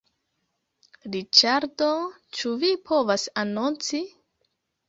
Riĉardo, ĉu vi povas anonci?